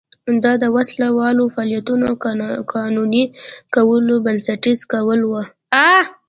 دا د وسله والو فعالیتونو قانوني کول او بنسټیزه کول و.